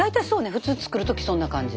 普通作る時そんな感じ。